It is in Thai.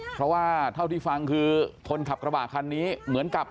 เพราะว่าเถาที่ฟังคือคนขับกระบะคันนี้เหมือนกับถือปืนขึ้นมาขู่